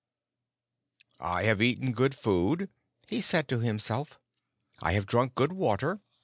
"I have eaten good food," he said to himself. "I have drunk good water.